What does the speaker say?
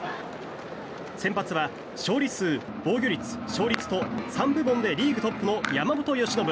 先発は勝利数、防御率、勝率と３部門でリーグトップの山本由伸。